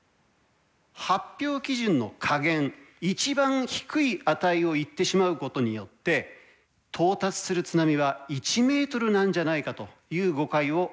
発表基準の下限一番低い値を言ってしまうことによって到達する津波は１ｍなんじゃないかという誤解を与えてしまいます。